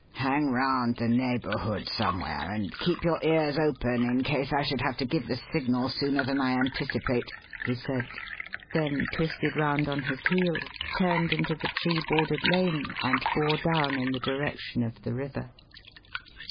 "Hang round the neighbourhood somewhere and keep your ears open in case I should have to give the signal sooner than I anticipate," he said; then twisted round on his heel, turned into the tree bordered lane, and bore down in the direction of the river.